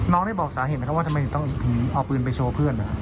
ได้บอกสาเหตุไหมครับว่าทำไมถึงต้องเอาปืนไปโชว์เพื่อน